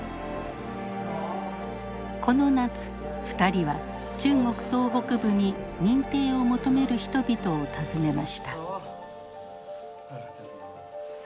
この夏２人は中国東北部に認定を求める人々を訪ねました。